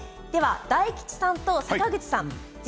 大吉さんと坂口さん